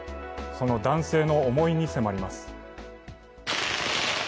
その男性の思いに迫ります。